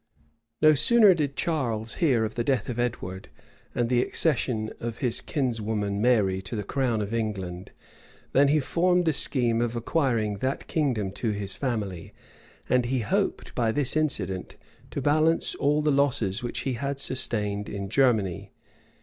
No sooner did Charles hear of the death of Edward, and the accession of his kinswoman Mary to the crown of England, than he formed the scheme of acquiring that kingdom to his family; and he hoped by this incident to balance all the losses which he had sustained in Germany.